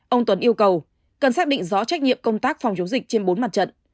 ông tuấn yêu cầu cần xác định rõ trách nhiệm công tác phòng chống dịch trên bốn mặt trận